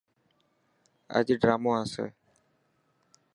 اڄ ڊرامو آسي.